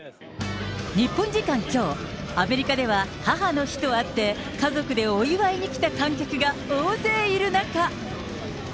日本時間きょう、アメリカでは母の日とあって、家族でお祝いに来た観客が大勢いる中。